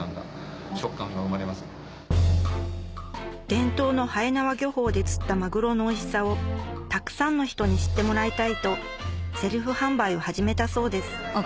伝統の延縄漁法で釣ったまぐろのおいしさをたくさんの人に知ってもらいたいとセルフ販売を始めたそうです